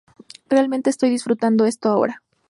Realmente estoy disfrutando esto ahora".